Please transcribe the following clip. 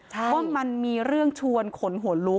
ว่ามันมีเรื่องชวนขนหัวลุก